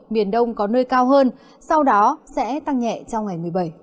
miền đông có nơi cao hơn sau đó sẽ tăng nhẹ trong ngày một mươi bảy